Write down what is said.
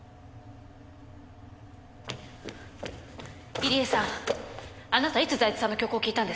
入江さんあなたいつ財津さんの曲を聴いたんですか？